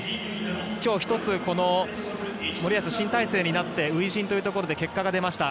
今日、１つ森保新体制になって初陣というところで結果が出ました。